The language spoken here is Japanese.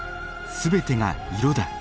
全てが色だ。